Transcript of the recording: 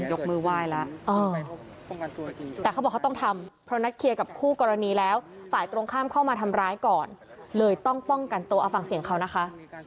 ยกมือไหว้แล้วแต่เขาบอกเขาต้องทำเพราะนัดเคลียร์กับคู่กรณีแล้วฝ่ายตรงข้ามเข้ามาทำร้ายก่อนเลยต้องป้องกันตัวเอาฟังเสียงเขานะคะ